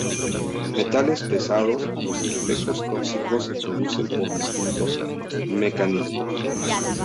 Metales pesados: Los efectos tóxicos se producen por distintos mecanismos.